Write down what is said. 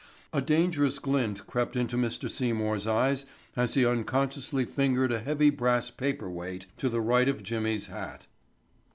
A dangerous glint crept into Mr. Seymour's eyes as he unconsciously fingered a heavy brass paperweight to the right of Jimmy's hat.